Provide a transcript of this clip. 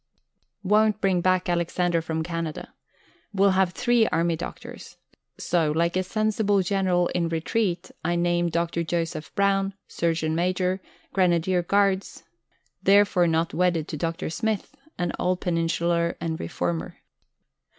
Won't bring back Alexander from Canada. Will have three Army Doctors. So, like a sensible General in retreat, I named [Dr. Joseph] Brown, Surgeon Major, Grenadier Guards, therefore not wedded to Dr. Smith, an old Peninsular and Reformer.